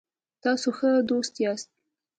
تاسو ښه دوست یاست